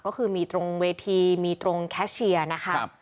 ก็คือมีตรงเวทีมีตรงแคชเชียร์นะคะ